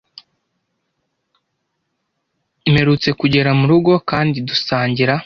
Mperutse kugera murugo kandi dusangira.